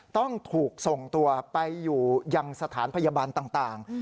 ต้องถูกส่งตัวไปอยู่ยังสถานพยาบาลต่าง